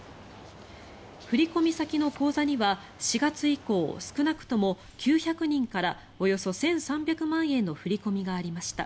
振込先の口座には４月以降少なくとも９００人からおよそ１３００万円の振り込みがありました。